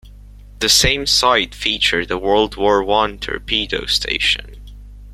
The same site featured a World War One torpedo station.